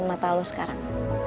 mata lo sekarang